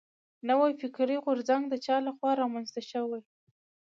نوی فکري غورځنګ د چا له خوا را منځ ته شوی و.